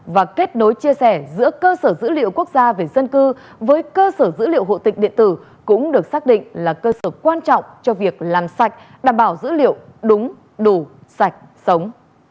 và kết nối chia sẻ giữa cơ sở dữ liệu quốc gia về dân cư với cơ sở dữ liệu hộ tịch điện tử cũng được xác định là cơ sở quan trọng cho việc làm sạch đảm bảo dữ liệu đúng đủ sạch sống